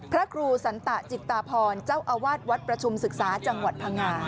พระครูสันตะจิตตาพรเจ้าอาวาสวัดประชุมศึกษาจังหวัดพังงา